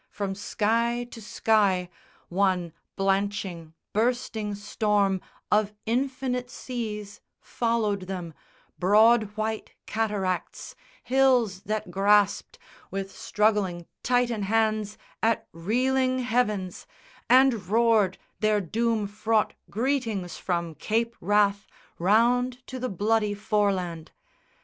From sky to sky One blanching bursting storm of infinite seas Followed them, broad white cataracts, hills that grasped With struggling Titan hands at reeling heavens, And roared their doom fraught greetings from Cape Wrath Round to the Bloody Foreland.